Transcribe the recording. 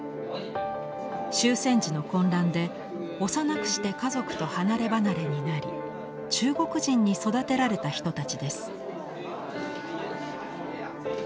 終戦時の混乱で幼くして家族と離れ離れになり中国人に育てられた人たちです。